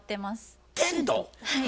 はい。